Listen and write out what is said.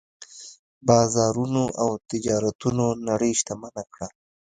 بازارونو او تجارتونو نړۍ شتمنه کړه.